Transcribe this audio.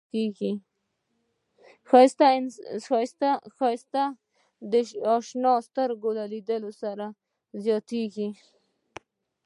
ښایست د اشنا سترګو له لید سره زیاتېږي